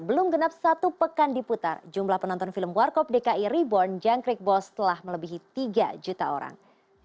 belum genap satu pekan diputar jumlah penonton film warkop dki reborn jangkrik bos telah melebihi tiga juta orang